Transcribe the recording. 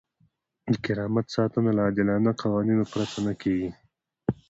د کرامت ساتنه له عادلانه قوانینو پرته نه کیږي.